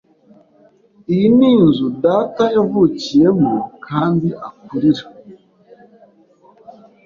Iyi ni inzu data yavukiyemo kandi akurira.